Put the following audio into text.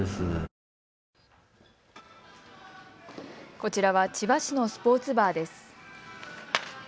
こちらは千葉市のスポーツバーです。